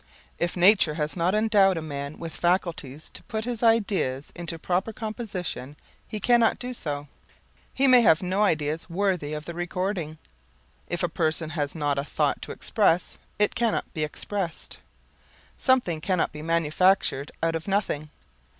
If nature has not endowed a man with faculties to put his ideas into proper composition he cannot do so. He may have no ideas worthy the recording. If a person has not a thought to express, it cannot be expressed. Something cannot be manufactured out of nothing.